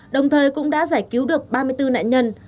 đồng thời cũng đã giải cứu được ba mươi bốn nạn nhân